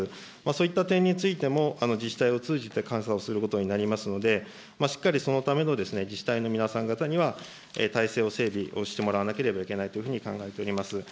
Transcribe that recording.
そういった点についても、自治体を通じて監査をすることになりますので、しっかりそのための自治体の皆さん方には体制を整備をしてもらわなければいけないというふうに考えております。